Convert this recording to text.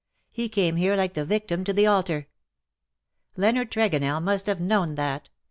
He came here like the victim to the altar. Leonard Tregonell must have known that.